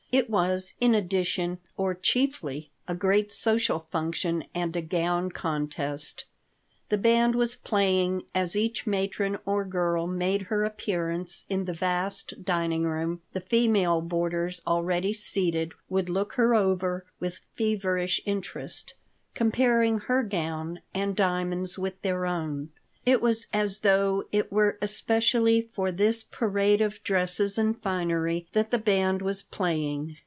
It was, in addition, or chiefly, a great social function and a gown contest The band was playing. As each matron or girl made her appearance in the vast dining room the female boarders already seated would look her over with feverish interest, comparing her gown and diamonds with their own. It was as though it were especially for this parade of dresses and finery that the band was playing.